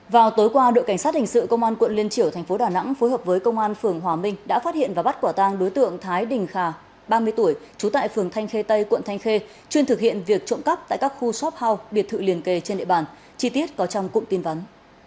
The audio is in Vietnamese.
vào tối qua đội cảnh sát hình sự công an quận liên triểu tp đà nẵng phối hợp với công an phường hòa minh đã phát hiện và bắt quả tang đối tượng thái đình khà ba mươi tuổi trú tại phường thanh khê tây quận thanh khê chuyên thực hiện việc trộm cắp tại các khu shop house biệt thự liền kề trên địa bàn